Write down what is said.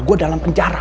gue dalam penjara